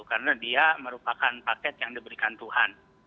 karena dia merupakan paket yang diberikan tuhan